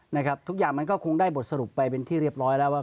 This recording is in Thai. นะครับทุกอย่างมันก็คงได้บทสรุปไปเป็นที่เรียบร้อยแล้วว่า